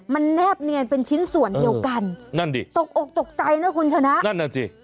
มันแนบเนียนเป็นชิ้นส่วนเดียวกันนั่นดิตกอกตกใจนะคุณชนะนั่นน่ะสิ